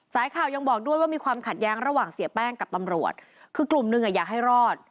สายข่าวยังบอกด้วยว่ามีความขัดแย้งระหว่างเสียแป้งกับตำรวจคือกลุ่มหนึ่งอ่ะอยากให้รอด